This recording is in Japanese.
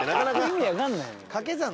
意味わかんないよ。